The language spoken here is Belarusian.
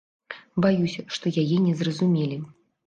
Баюся, што яе не зразумелі.